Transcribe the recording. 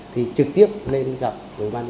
thì trực tiếp lên gặp với ban chân chân hội